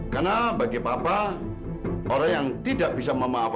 perasaan ibu nggak enak aja